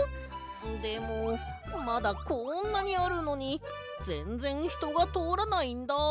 でもまだこんなにあるのにぜんぜんひとがとおらないんだ。